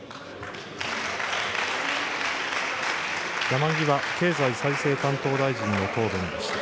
山際経済再生担当大臣の答弁でした。